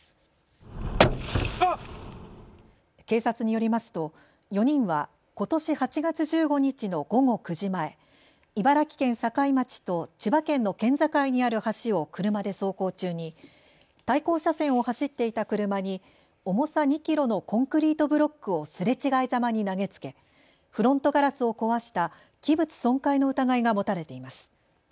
警察によりますと４人はことし８月１５日の午後９時前、茨城県境町と千葉県の県境にある橋を車で走行中に対向車線を走っていた車に重さ２キロのコンクリートブロックをすれ違いざまに投げつけフロントガラスを壊した器物損壊の疑いが持たれています。